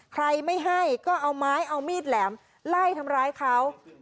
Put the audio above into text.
ใครไม่ให้ก็เอาไม้เอามีดแหลมไล่ทำร้ายเขา